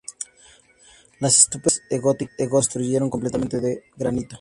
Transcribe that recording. Las estupendas torres góticas se construyeron completamente de granito.